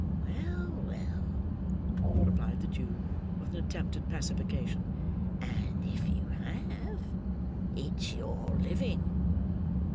"Well, well," replied the Jew, with an attempt at pacification; "and, if you have, it's your living!"